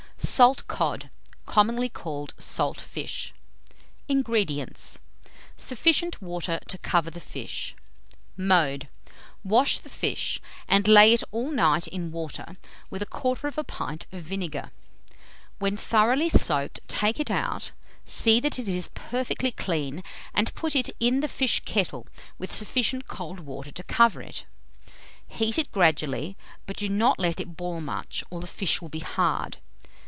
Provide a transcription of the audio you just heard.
SALT COD, COMMONLY CALLED "SALT FISH." 233. INGREDIENTS. Sufficient water to cover the fish. Mode. Wash the fish, and lay it all night in water, with a 1/4 pint of vinegar. When thoroughly soaked, take it out, see that it is perfectly clean, and put it in the fish kettle with sufficient cold water to cover it. Heat it gradually, but do not let it boil much, or the fish will be hard.